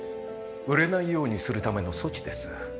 売れないようにするための措置です。